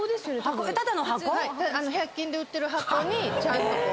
ただの箱？百均で売ってる箱にちゃんと。